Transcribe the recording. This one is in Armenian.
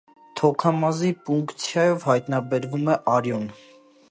Թոքամզի պունկցիայով հայտնաբերվում է արյուն։